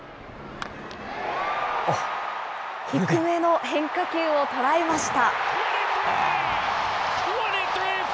低めの変化球を捉えました。